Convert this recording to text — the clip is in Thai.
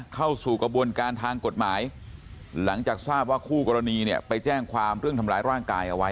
เข้าสู่กระบวนการทางกฎหมายหลังจากทราบว่าคู่กรณีเนี่ยไปแจ้งความเรื่องทำร้ายร่างกายเอาไว้